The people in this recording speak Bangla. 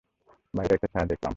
বাইরে একটা ছায়া দেখলাম।